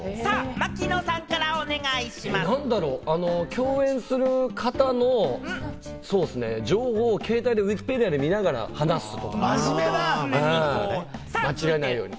共演する方の情報を、携帯でＷｉｋｉｐｅｄｉａで見ながら話す、間違えないように。